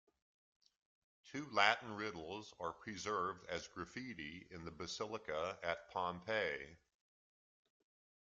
Two Latin riddles are preserved as graffiti in the Basilica at Pompeii.